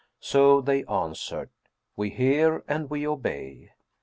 So they answered, "We hear and we obey."